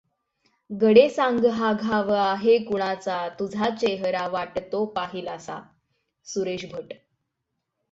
गडे सांग हा घाव आहे कुणाचा तुझा चेहरा वाटतो पाहिलासा, सुरेश भट.